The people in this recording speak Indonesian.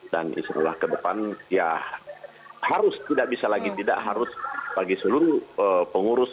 dan insya allah ke depan ya harus tidak bisa lagi tidak harus bagi seluruh pengurus